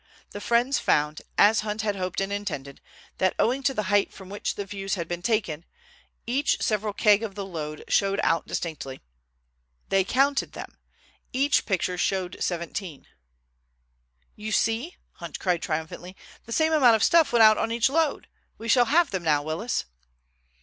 The friends found, as Hunt had hoped and intended, that owing to the height from which the views had been taken, each several keg of the load showed out distinctly. They counted them. Each picture showed seventeen. "You see?" cried Hunt triumphantly. "The same amount of stuff went out on each load! We shall have them now, Willis!"